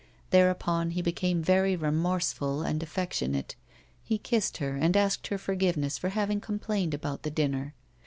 Thereupon he became very remorseful and affectionate; he kissed her and asked her forgiveness for having complained about the dinner.